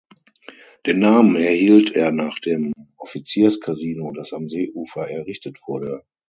Den Namen erhielt er nach dem Offizierskasino, das am Seeufer errichtet wurde.